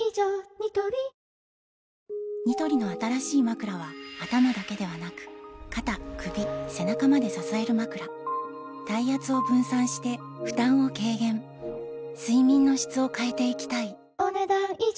ニトリニトリの新しいまくらは頭だけではなく肩・首・背中まで支えるまくら体圧を分散して負担を軽減睡眠の質を変えていきたいお、ねだん以上。